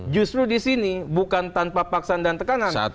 justru di sini bukan tanpa paksaan dan tekanan